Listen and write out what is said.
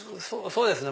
そうですね。